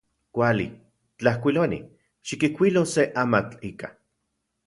Kuali. Tlajkuiloani, xikijkuilo se amatl ika.